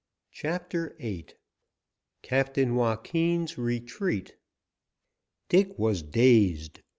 CHAPTER VIII. CAPTAIN JOAQUIN'S RETREAT. Dick was dazed.